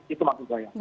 itu maksud saya